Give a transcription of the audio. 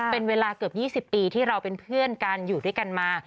เป็นเวลาเกือบ๒๐ปีที่เราเป็นเพื่อนกันอยู่ด้วยกันมา